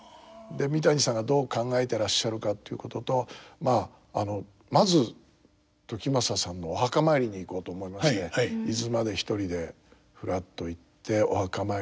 三谷さんがどう考えてらっしゃるかということとまず時政さんのお墓参りに行こうと思いまして伊豆まで一人でふらっと行ってお墓参りをさせていただいて。